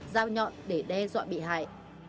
dao nhọn để đe dọa bị hại